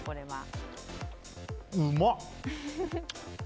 うまっ！